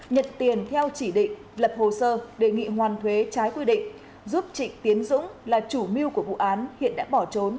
nhận tiền theo chỉ định lập hồ sơ đề nghị hoàn thuế trái quy định giúp trịnh tiến dũng là chủ mưu của vụ án hiện đã bỏ trốn